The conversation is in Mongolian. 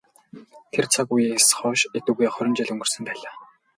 Тэр цаг үеэс хойш эдүгээ хорин жил өнгөрсөн байлаа.